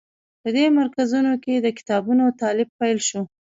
په دې مرکزونو کې د کتابونو تألیف پیل شو.